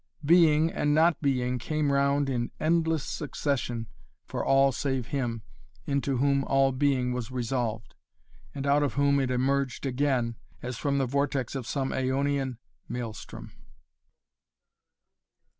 Being and not being came round in endless succession for all save him, into whom all being was resolved, and out of whom it emerged again, as from the vortex of some aeonian Maelstrom.